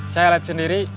saya liat sendiri